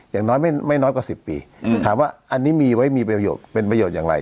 อย่างน้อยไม่น้อยกว่า๑๐ปีถามว่าอันนี้มีไว้มีประโยชน์เป็นประโยชน์อย่างไร